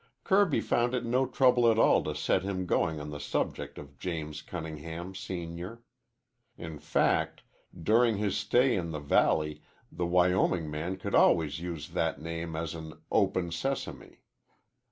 Kirby found it no trouble at all to set him going on the subject of James Cunningham, Senior. In fact, during his stay in the valley the Wyoming man could always use that name as an "Open Sesame."